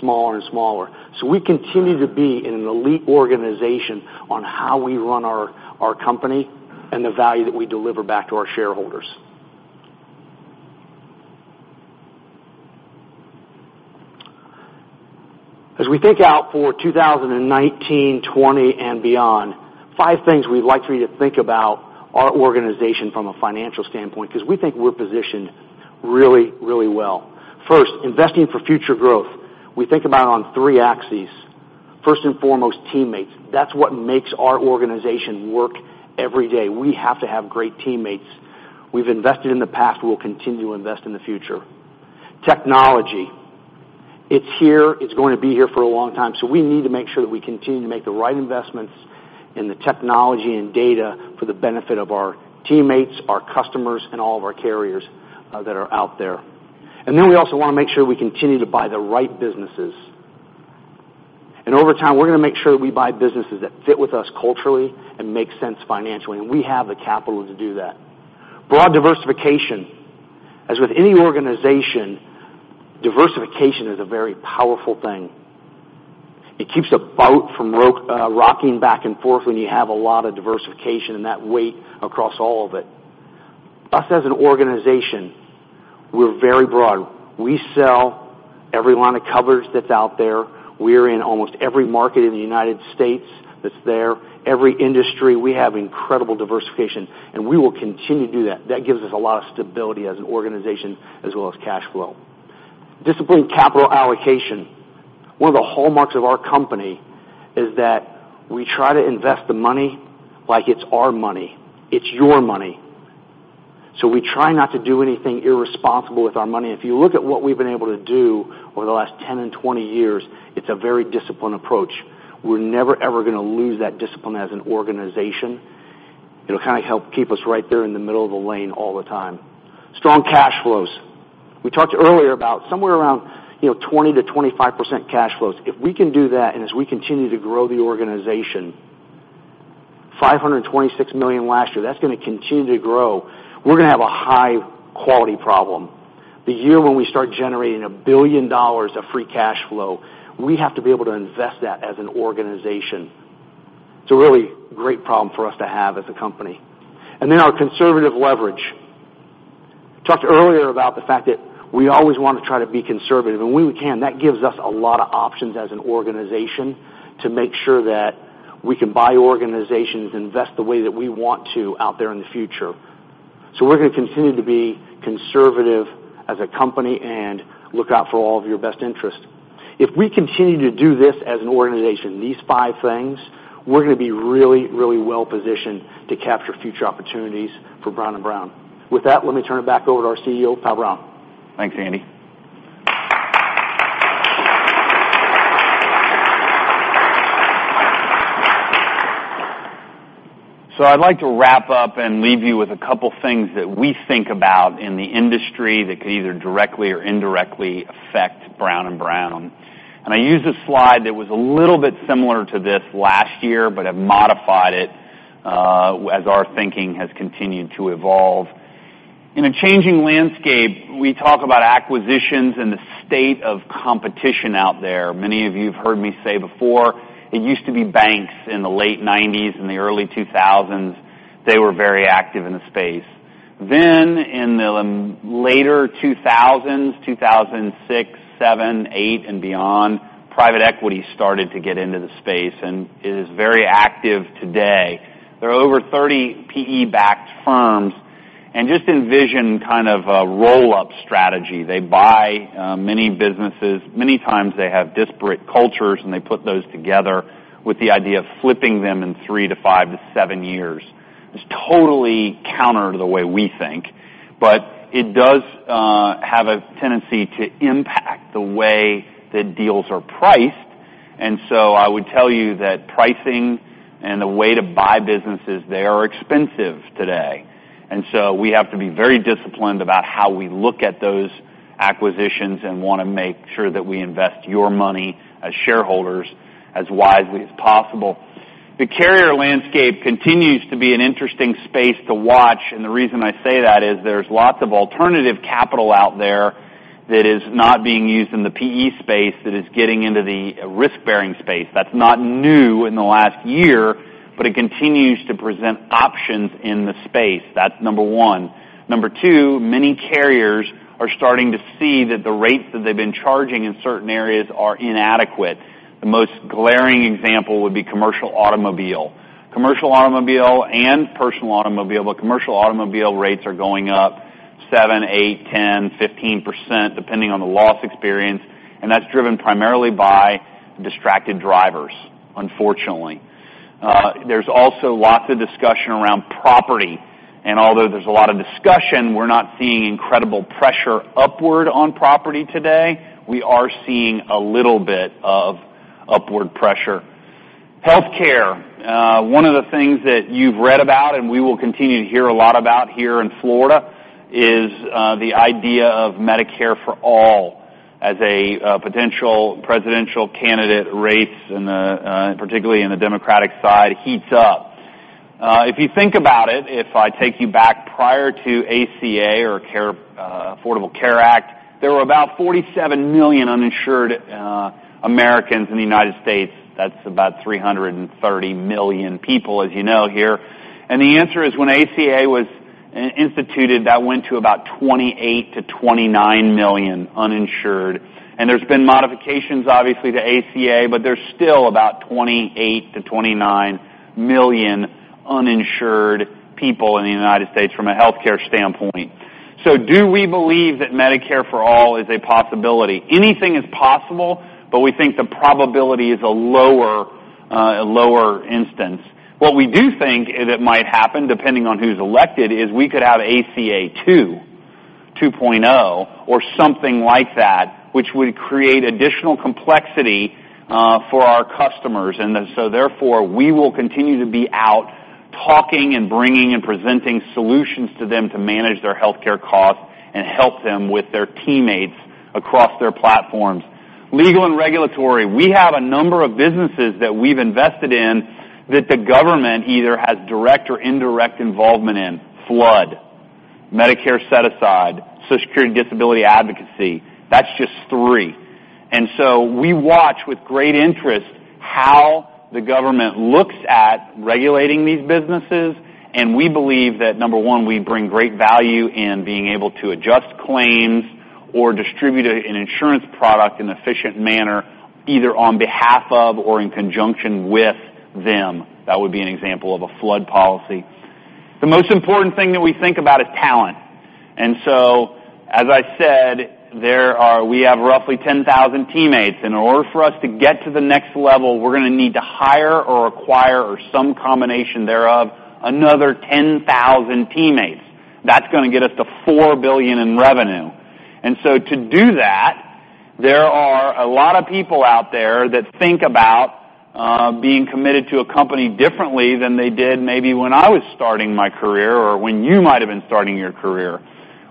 smaller and smaller. We continue to be an elite organization on how we run our company and the value that we deliver back to our shareholders. As we think out for 2019, 2020, and beyond, 5 things we'd like for you to think about our organization from a financial standpoint, because we think we're positioned really, really well. First, investing for future growth. We think about on 3 axes. First and foremost, teammates. That's what makes our organization work every day. We have to have great teammates. We've invested in the past, we'll continue to invest in the future. Technology. It's here, it's going to be here for a long time. We need to make sure that we continue to make the right investments in the technology and data for the benefit of our teammates, our customers, and all of our carriers that are out there. We also want to make sure we continue to buy the right businesses. Over time, we're going to make sure that we buy businesses that fit with us culturally and make sense financially, and we have the capital to do that. Broad diversification. As with any organization, diversification is a very powerful thing. It keeps a boat from rocking back and forth when you have a lot of diversification and that weight across all of it. Us as an organization, we're very broad. We sell every line of coverage that's out there. We're in almost every market in the U.S. that's there. Every industry, we have incredible diversification, and we will continue to do that. That gives us a lot of stability as an organization as well as cash flow. Disciplined capital allocation. One of the hallmarks of our company is that we try to invest the money like it's our money, it's your money. We try not to do anything irresponsible with our money. If you look at what we've been able to do over the last 10 and 20 years, it's a very disciplined approach. We're never, ever going to lose that discipline as an organization. It'll help keep us right there in the middle of the lane all the time. Strong cash flows. We talked earlier about somewhere around 20%-25% cash flows. If we can do that, and as we continue to grow the organization, $526 million last year, that's going to continue to grow. We're going to have a high quality problem. The year when we start generating $1 billion of free cash flow, we have to be able to invest that as an organization. It's a really great problem for us to have as a company. Our conservative leverage. Talked earlier about the fact that we always want to try to be conservative, and when we can, that gives us a lot of options as an organization to make sure that we can buy organizations, invest the way that we want to out there in the future. We're going to continue to be conservative as a company and look out for all of your best interests. If we continue to do this as an organization, these five things, we're going to be really, really well-positioned to capture future opportunities for Brown & Brown. With that, let me turn it back over to our CEO, Powell Brown. Thanks, Andy. I'd like to wrap up and leave you with a couple things that we think about in the industry that could either directly or indirectly affect Brown & Brown. I used a slide that was a little bit similar to this last year, but I've modified it as our thinking has continued to evolve. In a changing landscape, we talk about acquisitions and the state of competition out there. Many of you have heard me say before, it used to be banks in the late '90s and the early 2000s, they were very active in the space. In the later 2000s, 2006, '7, '8 and beyond, private equity started to get into the space and is very active today. There are over 30 PE-backed firms, and just envision kind of a roll-up strategy. They buy many businesses. Many times they have disparate cultures, they put those together with the idea of flipping them in three to five to seven years. It's totally counter to the way we think, it does have a tendency to impact the way that deals are priced. I would tell you that pricing and the way to buy businesses, they are expensive today. We have to be very disciplined about how we look at those acquisitions and want to make sure that we invest your money as shareholders as wisely as possible. The carrier landscape continues to be an interesting space to watch, and the reason I say that is there's lots of alternative capital out there that is not being used in the PE space that is getting into the risk-bearing space. That's not new in the last year, it continues to present options in the space. That's number 1. Number 2, many carriers are starting to see that the rates that they've been charging in certain areas are inadequate. The most glaring example would be commercial automobile. Commercial automobile and personal automobile, commercial automobile rates are going up 7%, 8%, 10%, 15%, depending on the loss experience, and that's driven primarily by distracted drivers, unfortunately. There's also lots of discussion around property. Although there's a lot of discussion, we're not seeing incredible pressure upward on property today. We are seeing a little bit of upward pressure. Healthcare. One of the things that you've read about, and we will continue to hear a lot about here in Florida, is the idea of Medicare for All as a potential presidential candidate race, particularly in the Democratic side, heats up. If you think about it, if I take you back prior to ACA or Affordable Care Act, there were about 47 million uninsured Americans in the United States. That's about 330 million people, as you know here. The answer is, when ACA was instituted, that went to about 28 million to 29 million uninsured. There's been modifications, obviously, to ACA, there's still about 28 million to 29 million uninsured people in the United States from a healthcare standpoint. Do we believe that Medicare for All is a possibility? Anything is possible, we think the probability is a lower instance. What we do think that might happen, depending on who's elected, is we could have ACA 2.0 or something like that, which would create additional complexity for our customers. We will continue to be out talking and bringing and presenting solutions to them to manage their healthcare costs and help them with their teammates across their platforms. Legal and regulatory. We have a number of businesses that we've invested in that the government either has direct or indirect involvement in. Flood, Medicare Set-Aside, Social Security Disability Advocacy. That's just three. We watch with great interest how the government looks at regulating these businesses, and we believe that, number one, we bring great value in being able to adjust claims or distribute an insurance product in an efficient manner, either on behalf of or in conjunction with them. That would be an example of a flood policy. The most important thing that we think about is talent. As I said, we have roughly 10,000 teammates. In order for us to get to the next level, we're going to need to hire or acquire or some combination thereof, another 10,000 teammates. That's going to get us to $4 billion in revenue. To do that, there are a lot of people out there that think about being committed to a company differently than they did maybe when I was starting my career or when you might have been starting your career.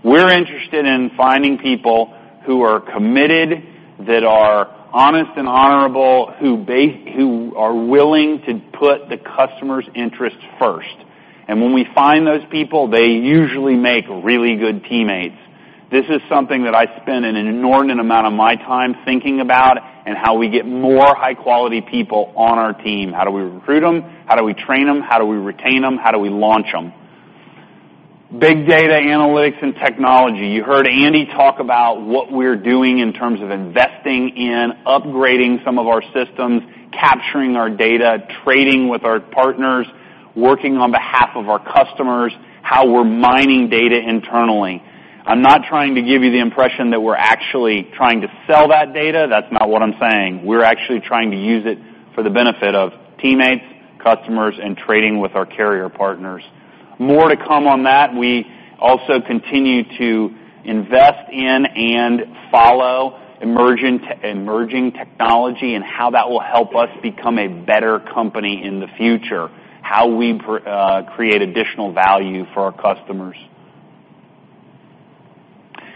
We're interested in finding people who are committed, that are honest and honorable, who are willing to put the customer's interests first. When we find those people, they usually make really good teammates. This is something that I spend an inordinate amount of my time thinking about and how we get more high-quality people on our team. How do we recruit them? How do we train them? How do we retain them? How do we launch them? Big data analytics and technology. You heard Andy talk about what we're doing in terms of investing in upgrading some of our systems, capturing our data, trading with our partners, working on behalf of our customers, how we're mining data internally. I'm not trying to give you the impression that we're actually trying to sell that data. That's not what I'm saying. We're actually trying to use it for the benefit of teammates, customers, and trading with our carrier partners. More to come on that. We also continue to invest in and follow emerging technology and how that will help us become a better company in the future, how we create additional value for our customers.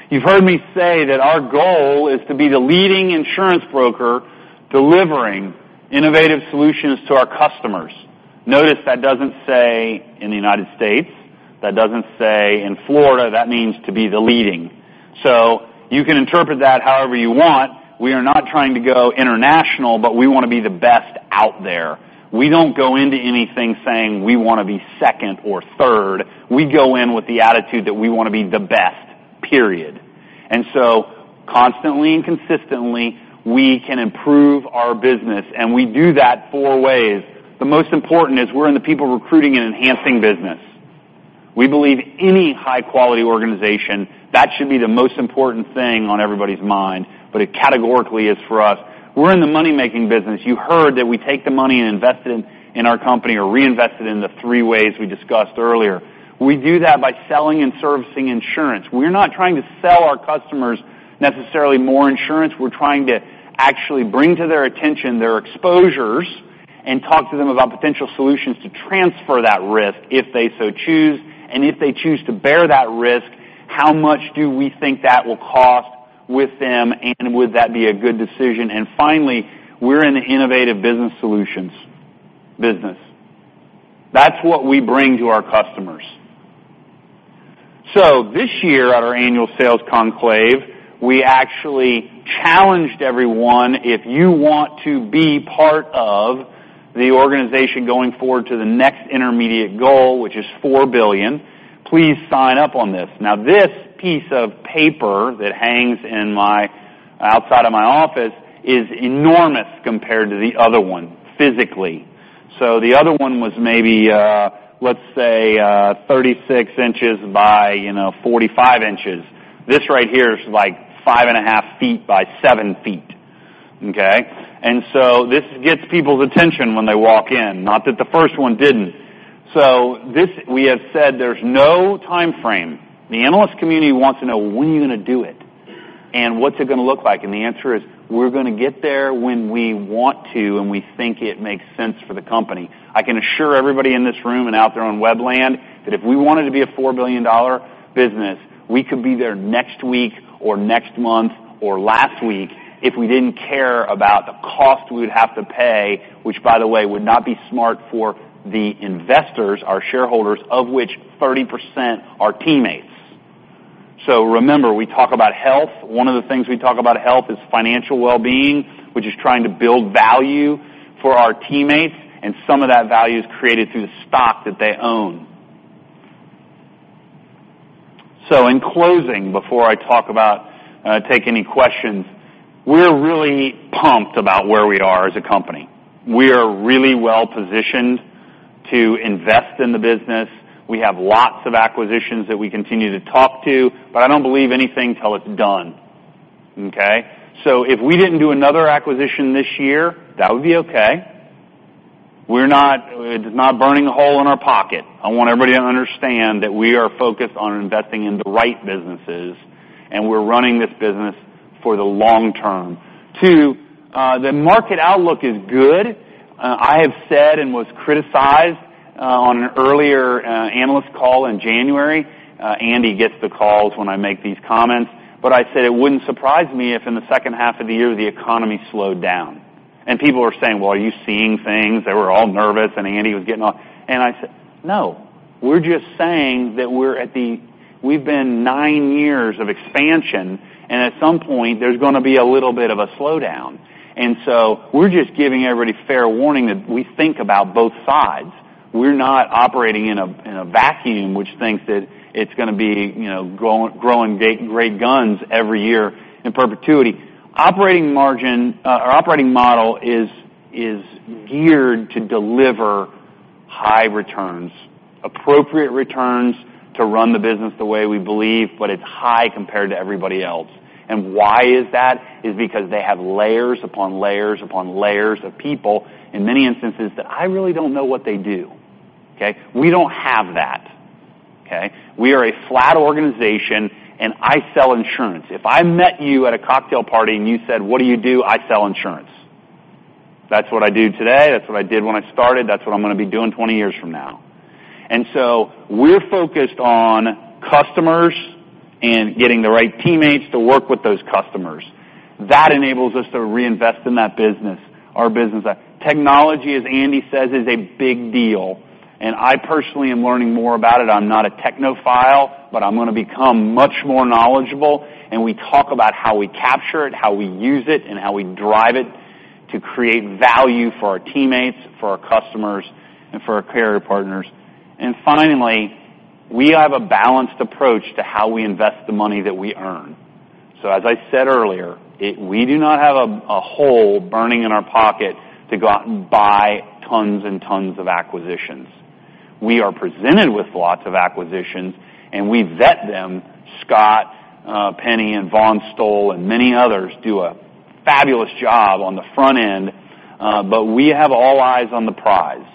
You've heard me say that our goal is to be the leading insurance broker delivering innovative solutions to our customers. Notice that doesn't say in the United States. That doesn't say in Florida. That means to be the leading. You can interpret that however you want. We are not trying to go international, but we want to be the best out there. We don't go into anything saying we want to be second or third. We go in with the attitude that we want to be the best, period. Constantly and consistently, we can improve our business, and we do that four ways. The most important is we're in the people recruiting and enhancing business. We believe any high-quality organization, that should be the most important thing on everybody's mind, but it categorically is for us. We're in the money-making business. You heard that we take the money and invest it in our company or reinvest it in the three ways we discussed earlier. We do that by selling and servicing insurance. We're not trying to sell our customers necessarily more insurance. We're trying to actually bring to their attention their exposures and talk to them about potential solutions to transfer that risk if they so choose. If they choose to bear that risk, how much do we think that will cost with them, and would that be a good decision? Finally, we're in the innovative business solutions business. That's what we bring to our customers. This year at our annual sales conclave, we actually challenged everyone, if you want to be part of the organization going forward to the next intermediate goal, which is $4 billion, please sign up on this. This piece of paper that hangs outside of my office is enormous compared to the other one physically. The other one was maybe, let's say, 36 inches by 45 inches. This right here is 5 and a half feet by 7 feet. Okay. This gets people's attention when they walk in. Not that the first one didn't. This, we have said there's no timeframe. The analyst community wants to know when are you going to do it, and what's it going to look like? The answer is, we're going to get there when we want to, and we think it makes sense for the company. I can assure everybody in this room and out there on web land, that if we wanted to be a $4 billion business, we could be there next week or next month or last week if we didn't care about the cost we would have to pay, which by the way, would not be smart for the investors, our shareholders, of which 30% are teammates. Remember, we talk about health. One of the things we talk about health is financial wellbeing, which is trying to build value for our teammates, and some of that value is created through the stock that they own. In closing, before I take any questions, we're really pumped about where we are as a company. We are really well positioned to invest in the business. We have lots of acquisitions that we continue to talk to, but I don't believe anything till it's done. Okay? If we didn't do another acquisition this year, that would be okay. It's not burning a hole in our pocket. I want everybody to understand that we are focused on investing in the right businesses, and we're running this business for the long term. Two, the market outlook is good. I have said and was criticized on an earlier analyst call in January. Andy gets the calls when I make these comments, I said it wouldn't surprise me if in the second half of the year the economy slowed down. People were saying, "Well, are you seeing things?" They were all nervous, I said, "No, we're just saying that we've been nine years of expansion, at some point there's going to be a little bit of a slowdown." We're just giving everybody fair warning that we think about both sides. We're not operating in a vacuum, which thinks that it's going to be growing great guns every year in perpetuity. Our operating model is geared to deliver high returns, appropriate returns to run the business the way we believe, but it's high compared to everybody else. Why is that? Is because they have layers upon layers upon layers of people in many instances that I really don't know what they do. Okay? We don't have that. Okay? We are a flat organization. I sell insurance. If I met you at a cocktail party and you said, "What do you do?" I sell insurance. That's what I do today. That's what I did when I started. That's what I'm going to be doing 20 years from now. We're focused on customers and getting the right teammates to work with those customers. That enables us to reinvest in that business, our business. Technology, as Andy says, is a big deal, and I personally am learning more about it. I'm not a technophile. I'm going to become much more knowledgeable, and we talk about how we capture it, how we use it, and how we drive it to create value for our teammates, for our customers, and for our carrier partners. Finally, we have a balanced approach to how we invest the money that we earn. As I said earlier, we do not have a hole burning in our pocket to go out and buy tons and tons of acquisitions. We are presented with lots of acquisitions. We vet them. Scott Penny and Vaughn Stoll and many others do a fabulous job on the front end. We have all eyes on the prize.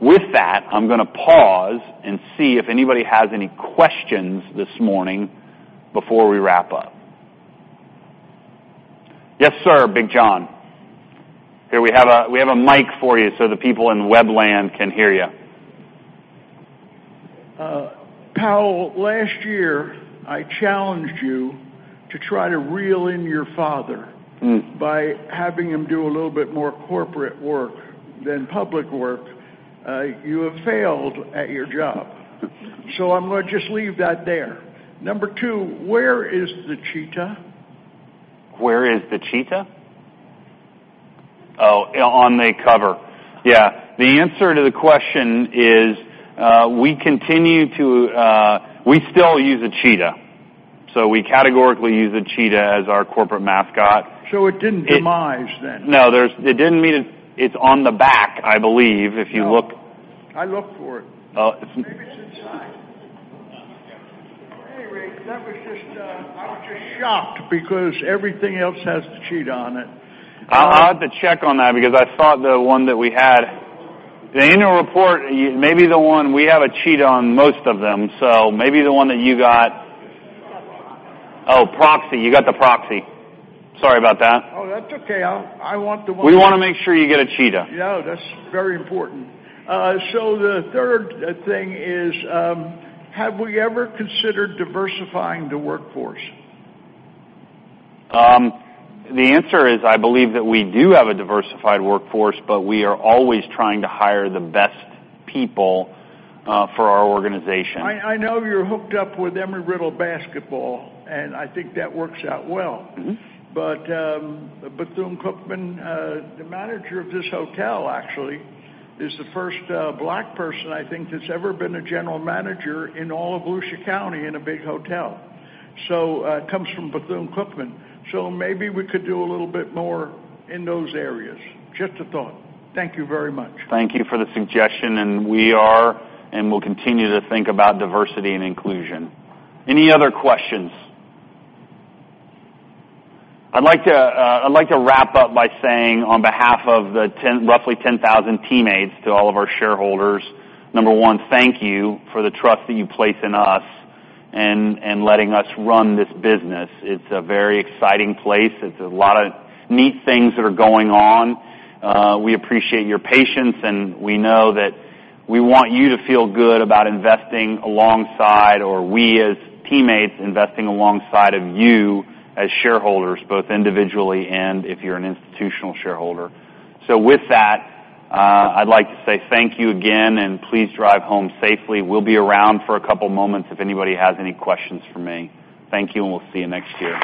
With that, I'm going to pause and see if anybody has any questions this morning before we wrap up. Yes, sir. Big John. Here, we have a mic for you so the people in web land can hear you. Powell, last year, I challenged you to try to reel in your father by having him do a little bit more corporate work than public work. You have failed at your job. I'm going to just leave that there. Number two, where is the cheetah? Where is the cheetah? Oh, on the cover. Yeah. The answer to the question is, we still use a cheetah. We categorically use a cheetah as our corporate mascot. It didn't demise then? No, it didn't mean it's on the back, I believe, if you look. No. I looked for it. Oh, it's. Maybe it's inside. At any rate, I was just shocked because everything else has the cheetah on it. I'll have to check on that because I thought the one that we had The annual report. We have a cheetah on most of them, so maybe the one that you got Oh, proxy. You got the proxy. Sorry about that. Oh, that's okay. I want the one. We want to make sure you get a cheetah. Yeah. That's very important. The third thing is, have we ever considered diversifying the workforce? The answer is, I believe that we do have a diversified workforce, but we are always trying to hire the best people for our organization. I know you're hooked up with Embry-Riddle Basketball, and I think that works out well. Bethune-Cookman, the manager of this hotel actually is the first Black person I think that's ever been a general manager in all of Volusia County in a big hotel. Comes from Bethune-Cookman. Maybe we could do a little bit more in those areas. Just a thought. Thank you very much. Thank you for the suggestion, and we are, and we'll continue to think about diversity and inclusion. Any other questions? I'd like to wrap up by saying on behalf of the roughly 10,000 teammates to all of our shareholders, number one, thank you for the trust that you place in us and letting us run this business. It's a very exciting place. It's a lot of neat things that are going on. We appreciate your patience, and we know that we want you to feel good about investing alongside, or we as teammates investing alongside of you as shareholders, both individually and if you're an institutional shareholder. With that, I'd like to say thank you again, and please drive home safely. We'll be around for a couple of moments if anybody has any questions for me. Thank you. We'll see you next year